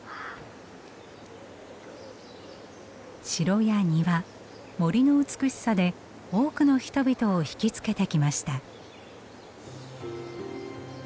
城や庭森の美しさで多くの人々を引き付けてきました。